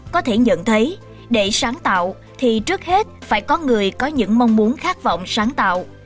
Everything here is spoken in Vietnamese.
có thể nhận thấy để sáng tạo thì trước hết phải có người có những mong muốn khát vọng sáng tạo